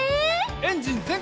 エンジンぜんかい！